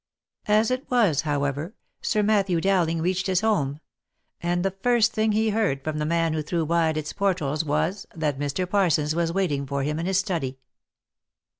As it was, however, Sir Matthew Dowling reached his home ; and the first thing he heard from the man who threw wide its portals was, that Mr. Parsons was waiting for him in his study.